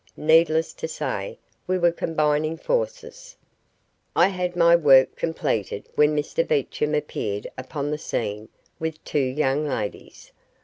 Needless to say, we were combining forces. I had my work completed when Mr Beecham appeared upon the scene with two young ladies.